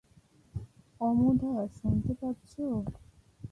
অমুধা, শুনতে পাচ্ছ?